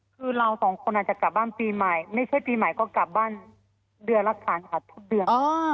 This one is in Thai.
คือเราสองคนอาจจะกลับบ้านปีใหม่ไม่ใช่ปีใหม่ก็กลับบ้านเดือนละครั้งค่ะทุกเดือน